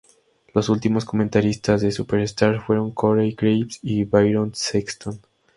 Los últimos comentaristas de Superstars fueron Corey Graves y Byron Saxton.